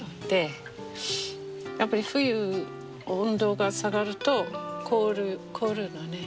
やっぱり冬温度が下がると凍るのね。